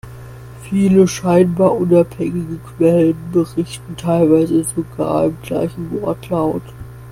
Viele scheinbar unabhängige Quellen, berichten teilweise sogar im gleichen Wortlaut.